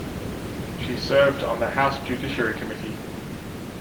She served on the House Judiciary Committee.